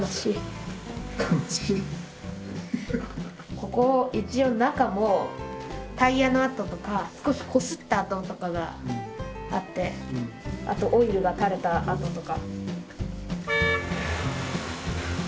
ここ一応中もタイヤの跡とか少しこすった跡とかがあってあとオイルがたれた跡とか。